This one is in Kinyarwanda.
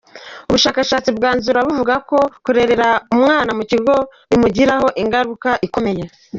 Ubu bushakashatsi bwanzura buvuga ko kurerera umwana mu kigo bimugiraho ingaruka ikomeye.